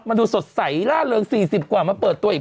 มันดูสดใสล่าเริง๔๐กว่ามาเปิดตัวอีก